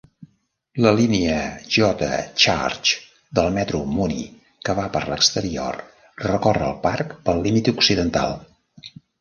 La línia J-Church del metro Muni, que va per l'exterior, recorre el parc pel límit occidental.